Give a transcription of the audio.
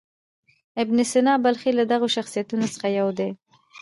ابن سینا بلخي له دغو شخصیتونو څخه یو دی.